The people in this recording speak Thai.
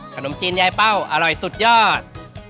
ขนมจีนยายเป้าอร่อยสุดยอด